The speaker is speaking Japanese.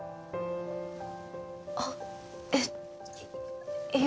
あっえっいや。